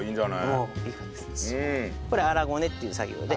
これ粗ごねっていう作業で。